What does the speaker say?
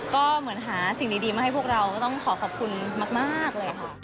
ก็เหมือนหาสิ่งดีมาให้พวกเราก็ต้องขอขอบคุณมากเลยค่ะ